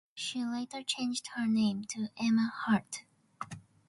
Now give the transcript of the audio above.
She later changed her name to Emma Hart.